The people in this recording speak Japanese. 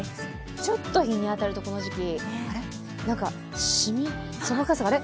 ちょっと日に当たるとこの時期、しみ、そばかす、あれ？